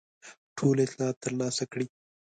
ټول اطلاعات ترلاسه کړي.